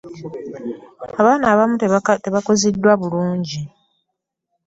Abaana abamu tebakuziddwa bulungi.